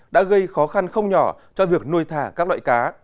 đã gây khó khăn không nhỏ cho việc nuôi thả các loại cá